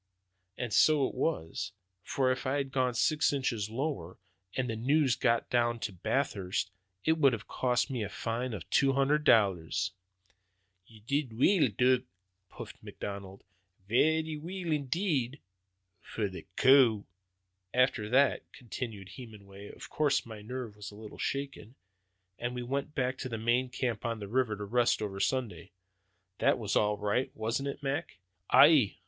And so it was; for if it had gone six inches lower, and the news gotten out at Bathurst, it would have cost me a fine of two hundred dollars." "Ye did weel, Dud," puffed McLeod; "varra weel indeed for the coo!" "After that," continued Hemenway, "of course my nerve was a little shaken, and we went back to the main camp on the river, to rest over Sunday. That was all right, wasn't it, Mac!" "Aye!"